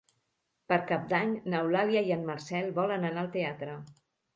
Per Cap d'Any n'Eulàlia i en Marcel volen anar al teatre.